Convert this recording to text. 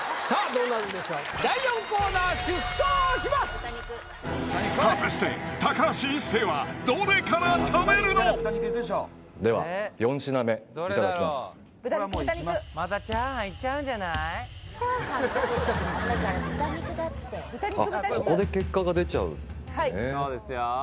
そうですよ